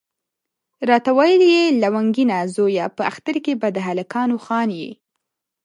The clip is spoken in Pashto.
راته ویل یې لونګینه زویه په اختر کې به د هلکانو خان یې.